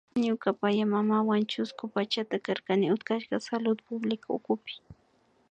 Ñuka payaymamawan chusku pachata karkani utkashka Salud Pública ukupi